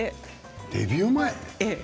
デビュー前？